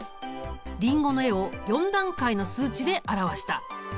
リンゴの絵を４段階の数値で表した。